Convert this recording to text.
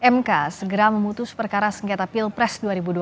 mk segera memutus perkara sengketa pilpres dua ribu dua puluh